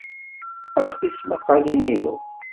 Ax tismaqalin-inu.